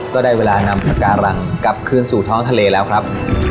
ก็ได้เวลานำปาการังกลับคืนสู่ท้องทะเลแล้วครับ